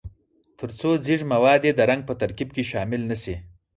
ترڅو ځیږ مواد یې د رنګ په ترکیب کې شامل نه شي.